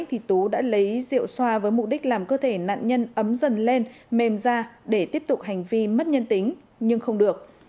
thì tú đã lấy rượu xoa với mục đích làm cơ thể nạn nhân ấm dần lên mềm ra để tiếp tục hành vi mất nhân tính nhưng không được